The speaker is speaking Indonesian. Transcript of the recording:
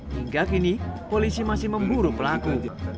hingga kini polisi masih memburu pelaku